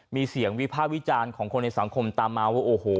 มีเสียงวิพากษ์วิจารณ์ของคนในสังคมตามมาว่าโอ้โห